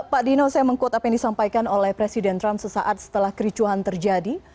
pak dino saya meng quote apa yang disampaikan oleh presiden trump sesaat setelah kericuhan terjadi